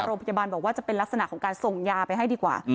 โรงพยาบาลบอกว่าจะเป็นลักษณะของการส่งยาไปให้ดีกว่า